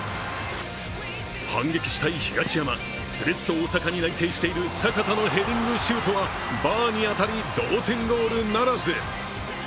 反撃したい東山、セレッソ大阪に内定している阪田のヘディングシュートはバーに当たり同点ゴールならず。